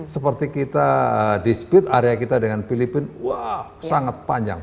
seperti kita dispute area kita dengan filipina wah sangat panjang